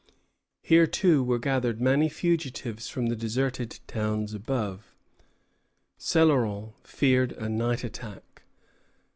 Here, too, were gathered many fugitives from the deserted towns above. Céloron feared a night attack.